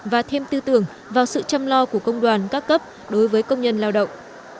và thêm tư tưởng vào sự chăm lo của công đoàn các cấp đối với công nhân lao động